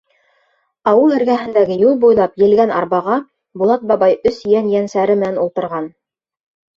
Ауыл эргәһендәге юл буйлап елгән арбаға Булат бабай өс ейән-ейәнсәре менән ултырған.